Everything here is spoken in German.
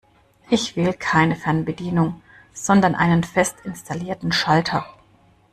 Ich will keine Fernbedienung, sondern einen fest installierten Schalter.